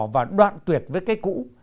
và đoạn tuyệt với cây cũ